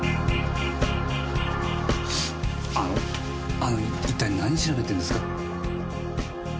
あの一体何調べてるんですか？